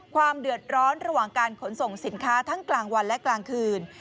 ความเดือดร้อนระหว่างการขนส่งสินค้าทั้งกลางวันและกลางคืน